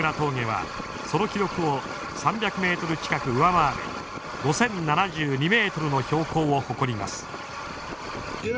峠はその記録を３００ｍ近く上回る５，０７２ｍの標高を誇ります。